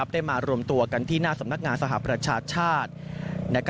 ได้มารวมตัวกันที่หน้าสำนักงานสหประชาชาติ